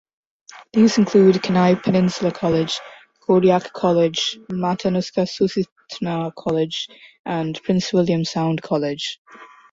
These include Kenai Peninsula College, Kodiak College, Matanuska-Susitna College, and Prince William Sound College.